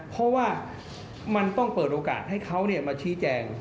เพราะว่ามันต้องเปิดโอกาสให้เขามาชี้แจง